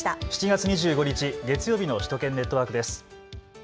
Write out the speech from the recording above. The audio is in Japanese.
７月２５日月曜日の首都圏ネットワークです。